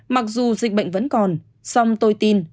mặc dù dịch bệnh vẫn còn song tôi tin